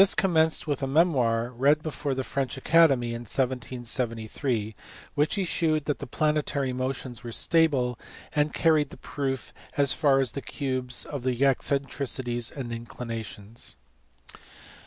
commenced with a memoir, read before the French Academy in 1773, in which he shewed that the planetary motions were stable, and carried the proof as far as the cubes of the eccen tricities and inclinations.